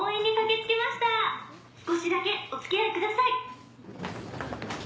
少しだけお付き合いください！